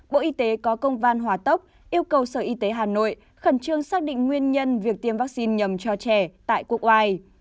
bộ y tế có công văn hỏa tốc yêu cầu sở y tế hà nội khẩn trương xác định nguyên nhân việc tiêm vaccine nhầm cho trẻ tại quốc ngoài